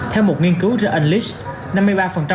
theo một nghiên cứu the unleashed